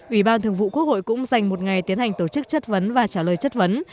ủy ban thường vụ quốc hội cũng dành một ngày tiến hành tổ chức chất vấn và trả lời chất vấn